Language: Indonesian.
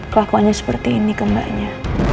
kelakunya seperti ini kembaknya